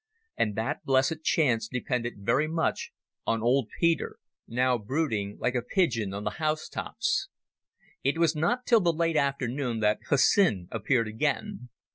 And that blessed chance depended very much on old Peter, now brooding like a pigeon on the house tops. It was not till the late afternoon that Hussin appeared again.